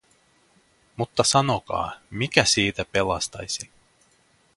Mutta sanokaa, mikä siitä pelastaisi?